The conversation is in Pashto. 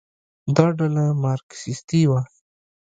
دا ډله مارکسیستي وه.